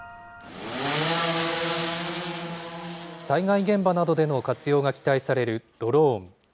災害現場などでの活用が期待されるドローン。